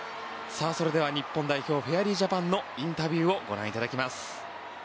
それでは日本代表フェアリージャパンのインタビューをご覧いただきます。